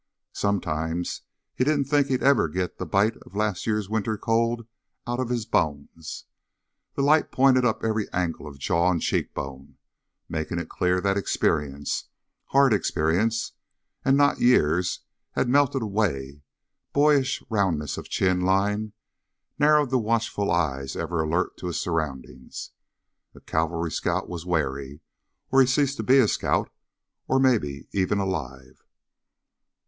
Sometimes he didn't think he'd ever get the bite of last winter's cold out of his bones. The light pointed up every angle of jaw and cheekbone, making it clear that experience hard experience and not years had melted away boyish roundness of chin line, narrowed the watchful eyes ever alert to his surroundings. A cavalry scout was wary, or he ceased to be a scout, or maybe even alive.